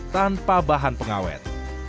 tanpa bahan pengawet